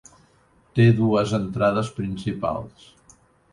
Té dues entrades principals.